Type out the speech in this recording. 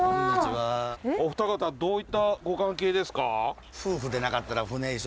お二方どういったご関係ですか？